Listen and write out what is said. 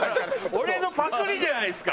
俺のパクりじゃないですか。